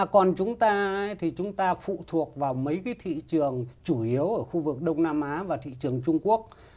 còn chúng ta thì chúng ta phụ thuộc vào mấy cái thị trường chủ yếu ở khu vực đông nam á và thị trường trung quốc